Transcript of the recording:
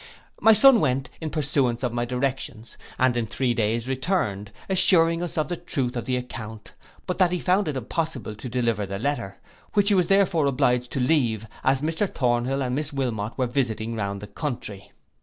My son went, in pursuance of my directions, and in three days returned, assuring us of the truth of the account; but that he had found it impossible to deliver the letter, which he was therefore obliged to leave, as Mr Thornhill and Miss Wilmot were visiting round the country.